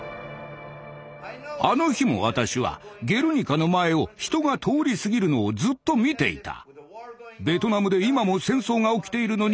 あの日も私は「ゲルニカ」の前を人が通り過ぎるのをずっと見ていた。